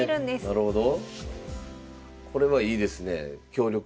なるほど。